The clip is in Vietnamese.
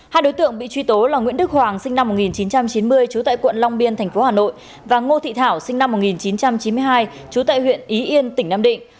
hai đối tượng bị truy tố là nguyễn đức hoàng sinh năm một nghìn chín trăm chín mươi trú tại quận long biên tp hà nội và ngô thị thảo sinh năm một nghìn chín trăm chín mươi hai trú tại huyện ý yên tỉnh nam định